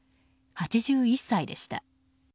８１歳でした。